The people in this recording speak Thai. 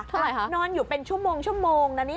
เท่าไหร่คะนอนอยู่เป็นชั่วโมงนะนี่